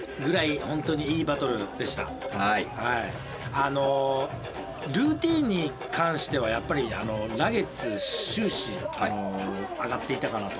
あのルーティーンに関してはやっぱりラゲッズ終始上がっていたかなと。